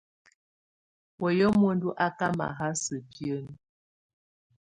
Wayɛ̀á muǝndu á ká mahása biǝ́nǝ́.